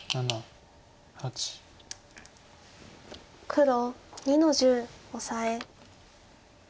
黒２の十オサエ。